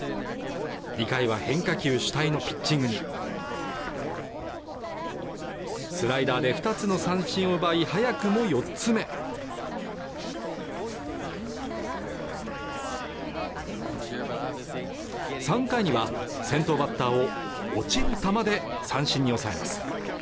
２回は変化球主体のピッチングにスライダーで２つの三振を奪い早くも４つ目３回には先頭バッターを落ちる球で三振に抑えます